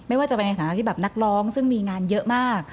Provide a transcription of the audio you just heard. ว่าจะไปในฐานะที่แบบนักร้องซึ่งมีงานเยอะมาก